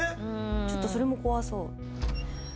ちょっとそれも怖そう。